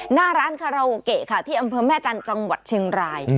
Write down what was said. หน้าร้านคาราโอเกะค่ะที่อำเภอแม่จันทร์จังหวัดเชียงราย